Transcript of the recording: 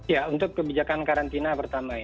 ya untuk kebijakan karantina pertama